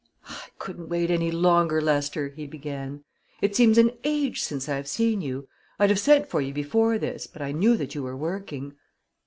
"I couldn't wait any longer, Lester," he began. "It seems an age since I've seen you. I'd have sent for you before this, but I knew that you were working."